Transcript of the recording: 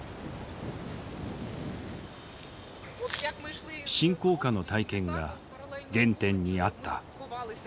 侵攻下の体験が原点にあった。